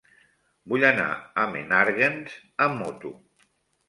Vull anar a Menàrguens amb moto.